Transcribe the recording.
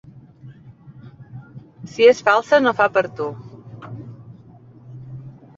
Si és falsa no fa per a tu.